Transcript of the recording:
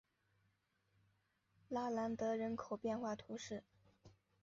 拉兰德人口变化图示